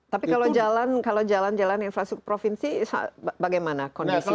tapi kalau jalan jalan infrastruktur provinsi bagaimana kondisinya